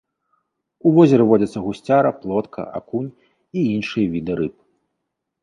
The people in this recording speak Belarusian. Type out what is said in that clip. У возеры водзяцца гусцяра, плотка, акунь і іншыя віды рыб.